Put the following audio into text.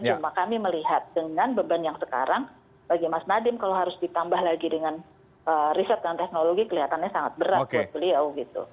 cuma kami melihat dengan beban yang sekarang bagi mas nadiem kalau harus ditambah lagi dengan riset dan teknologi kelihatannya sangat berat buat beliau gitu